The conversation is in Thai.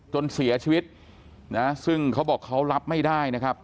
จนเสียชีวิตนะซึ่งเขาบอกเขารับไม่ได้นะครับ